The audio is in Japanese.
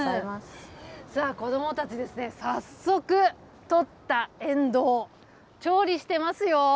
さあ、子どもたちですね、早速、取ったエンドウを調理してますよ。